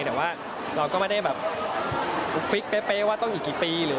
แต่ว่าเราก็ไม่ได้แบบฟิกเป๊ะว่าต้องอีกกี่ปีหรือ